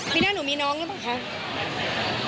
ปีหน้าหนูมีน้องหรือเปล่าคะ